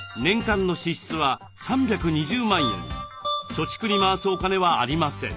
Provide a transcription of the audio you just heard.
貯蓄に回すお金はありません。